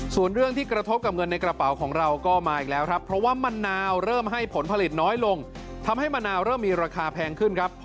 ส่วนเรื่องที่กระทบกับเงินในกระเป๋าของเราก็มาอีกแล้วครับ